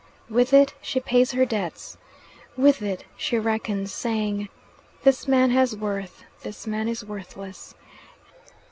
With it she pays her debts, with it she reckons, saying, "This man has worth, this man is worthless."